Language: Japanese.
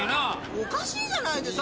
おかしいじゃないですか。